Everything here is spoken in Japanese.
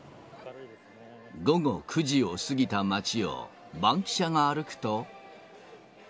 午後９時を過ぎた街をバンキシャが歩くと。